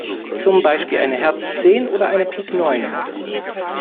Zum Beispiel eine Herz zehn oder eine Pik neun.